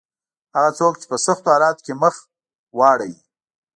هغه څوک چې په سختو حالاتو کې مخ واړاوه.